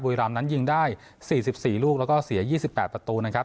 รามนั้นยิงได้๔๔ลูกแล้วก็เสีย๒๘ประตูนะครับ